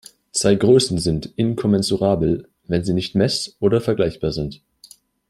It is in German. Zwei Größen sind inkommensurabel, wenn sie nicht mess- oder vergleichbar sind.